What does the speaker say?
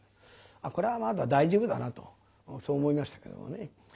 これはまだ大丈夫だなとそう思いましたけどもね。